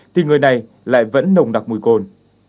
thì người này lại vẫn nồng đặc mùi cồn